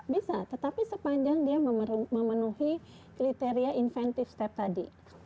bisa tetapi sepanjang dia memenuhi kriteria inventive step tadi